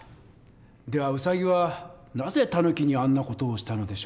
ではウサギはなぜタヌキにあんな事をしたのでしょう？